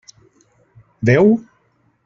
Veu?